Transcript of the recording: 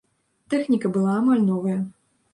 Тэхніка была амаль новая.